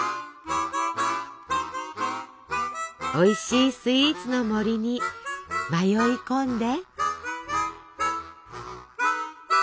おいしいスイーツの森に迷い込んで。